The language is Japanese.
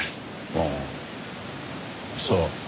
ああそう。